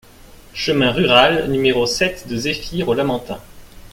Chemin Rural No sept de Zéphyr au Lamentin